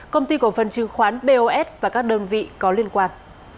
công ty cổ phần chứng khoán bos và các đơn vị có liên quan